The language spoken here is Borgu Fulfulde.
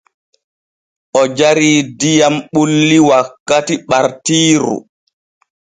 O jarii diyam bulli wakkati ɓartiiru.